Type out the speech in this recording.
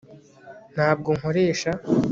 ntabwo nkoresha